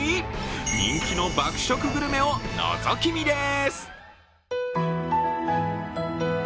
人気の爆食グルメをのぞき見です。